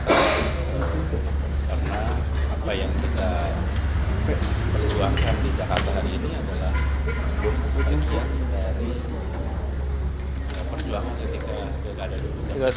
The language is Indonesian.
karena apa yang kita perjuangkan di jakarta hari ini adalah berpengalaman dari perjuangan ketika kita ada di jakarta